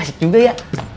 asik juga ya